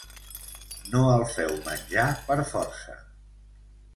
No el feu menjar per força.